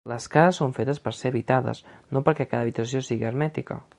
Les cases són fetes per ser habitades, no perquè cada habitació sigui hermètica.